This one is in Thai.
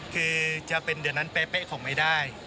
คือจะเป็นเดือนนั้นเป๊ะคงไม่ได้